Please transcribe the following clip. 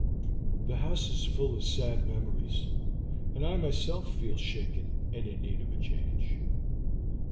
The house is full of sad memories, and I myself feel shaken and in need of a change."